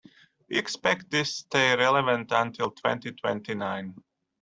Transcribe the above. We expect this stay relevant until twenty-twenty-nine.